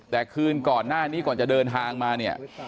แต่คืนก่อนหน้านี้ก่อนจะเดินทางมาเนี่ย